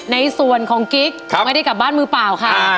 ในส่วนของกิ๊กไม่ได้กลับบ้านมือเปล่าค่ะ